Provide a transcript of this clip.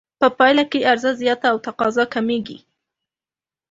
په پایله کې عرضه زیاته او تقاضا کمېږي